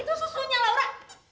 laura itu susunya laura